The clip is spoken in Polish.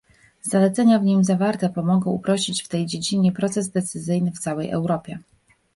Zalecenia w nim zawarte pomogą uprościć w tej dziedzinie proces decyzyjny w całej Europie